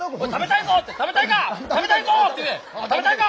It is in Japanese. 「食べたいぞ！」